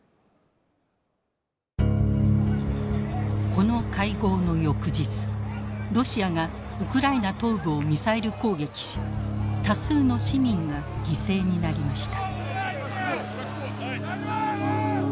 この会合の翌日ロシアがウクライナ東部をミサイル攻撃し多数の市民が犠牲になりました。